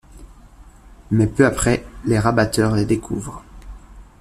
Mais, peu après, les Rabatteurs les découvrent.